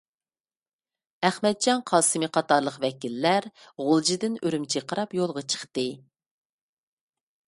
ئەخمەتجان قاسىمى قاتارلىق ۋەكىللەر غۇلجىدىن ئۈرۈمچىگە قاراپ يولغا چىقتى.